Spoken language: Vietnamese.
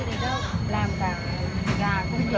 người ta làm tàng nham á